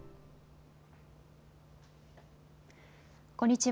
こんにちは。